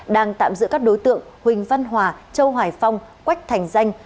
đang tạm giữ các đối tượng huỳnh văn hòa châu hoài phong quách thành danh